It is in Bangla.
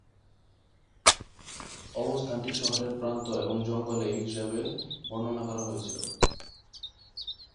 অবস্থানটি "শহরের প্রান্ত এবং জঙ্গলে" হিসাবে বর্ণনা করা হয়েছিল।